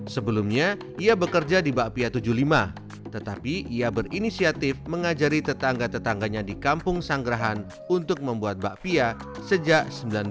sebelumnya ia bekerja di bakpia tujuh puluh lima tetapi ia berinisiatif mengajari tetangga tetangganya di kampung sanggerahan untuk membuat bakpia sejak seribu sembilan ratus sembilan puluh